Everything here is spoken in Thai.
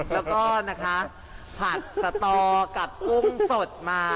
แล้วก็นะคะผัดสตอกับกุ้งสดมา